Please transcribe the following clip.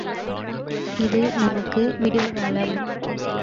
இது நமக்கு விடிவுகாலம்.